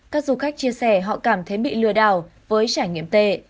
các du khách chia sẻ họ cảm thấy bị lừa đảo với trải nghiệm tệ